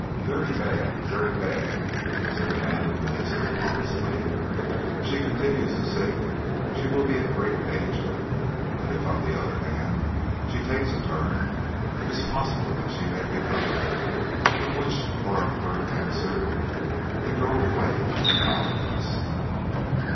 "Very bad, very bad," said the man of medicine pompously. "If she continues to sink she will be in great danger; but if, on the other hand, she takes a turn, it is possible that she may recover," with which oracular answer he drove away in a cloud of dust.